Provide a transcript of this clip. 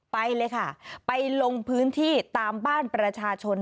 ไปเลยค่ะไปลงพื้นที่ตามบ้านประชาชน